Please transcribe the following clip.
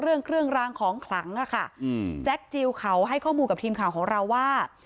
เรื่องเครื่องรางของขลังอ่ะค่ะอืมแจ็คจิลเขาให้ข้อมูลกับทีมข่าวของเราว่า